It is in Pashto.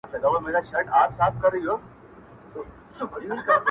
• چي یې ومانه خطر وېره ورکیږي -